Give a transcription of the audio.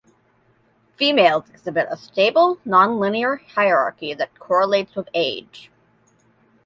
Females exhibit a stable, nonlinear hierarchy that correlates with age.